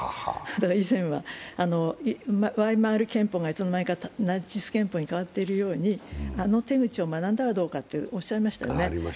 以前はワイマール憲法がいつのまにかナチス憲法に変わったようにあの手口を学んだらどうかということがありましたよね。